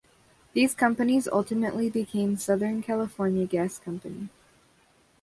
These companies ultimately became Southern California Gas Company.